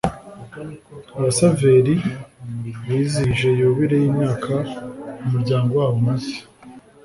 abasaveri bizihije yubile y’imyaka umuryango wabo umaze